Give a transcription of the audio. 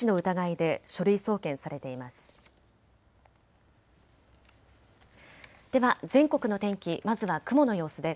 では全国の天気、まずは雲の様子です。